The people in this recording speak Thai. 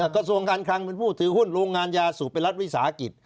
กระทรวงการคลังเป็นผู้ถือหุ้นโรงงานยาสูบเป็นรัฐวิสาหกิจ